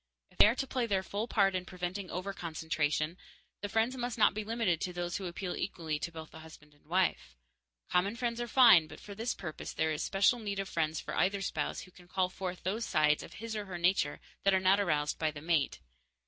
If they are to play their full part in preventing overconcentration, the friends must not be limited to those who appeal equally to both the husband and the wife. Common friends are fine, but for this purpose there is special need of friends for either spouse who can call forth those sides of his or her nature that are not aroused by the mate.